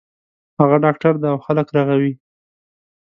هغه ډاکټر ده او خلک رغوی